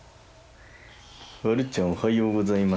あるちゃんおはようございます。